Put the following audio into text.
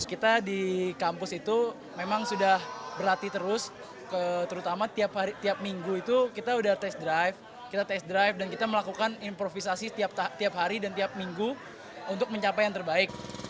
kita di kampus itu memang sudah berlatih terus terutama tiap minggu itu kita sudah tes drive kita tes drive dan kita melakukan improvisasi tiap hari dan tiap minggu untuk mencapai yang terbaik